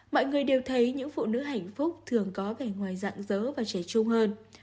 mọi người đều thấy những phụ nữ hạnh phúc thường có vẻ ngoài rạng rỡ và trẻ trung hơn